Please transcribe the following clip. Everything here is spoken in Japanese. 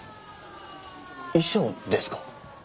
遺書ですか？